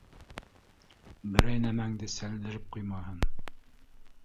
Берәй нәмәңде сәлдереп ҡуймаһын!